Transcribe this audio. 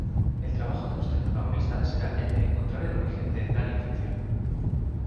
El trabajo de nuestro protagonista será el de encontrar el origen de tal infección.